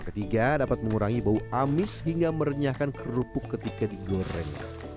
ketiga dapat mengurangi bau amis hingga merenyahkan kerupuk ketika digoreng